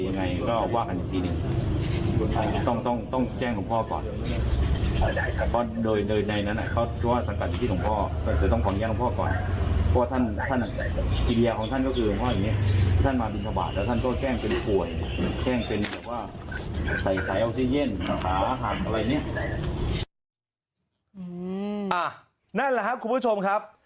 นั่นแหละครับคุณผู้ชมครับ